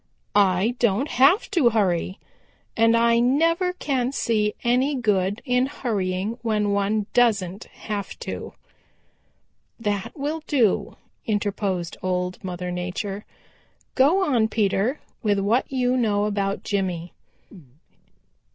I don't have to hurry, and I never can see any good in hurrying when one doesn't have to." "That will do," interposed Old Mother Nature. "Go on, Peter, with what you know about Jimmy."